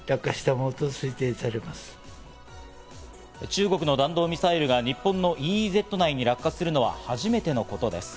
中国の弾道ミサイルが日本のＥＥＺ内に落下するのは初めてのことです。